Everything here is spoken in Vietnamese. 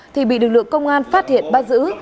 thì bị lực lượng công an phát hiện bắt giữ